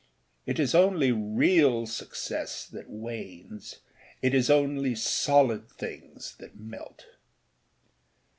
It is only real success that wanes, it is only solid things that melt.